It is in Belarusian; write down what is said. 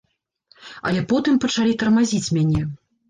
Але потым пачалі тармазіць мяне.